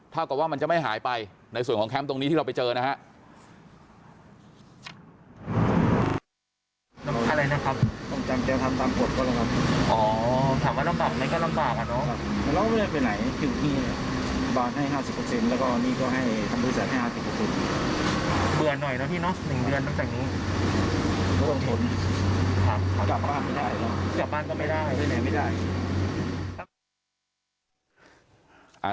กับว่ามันจะไม่หายไปในส่วนของแคมป์ตรงนี้ที่เราไปเจอนะฮะ